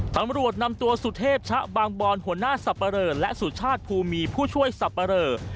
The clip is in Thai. ตำรวจนำตัวสุเทพชะบางบอนหัวหน้าสับปะเรอและสุชาติภูมีผู้ช่วยสับปะเรอ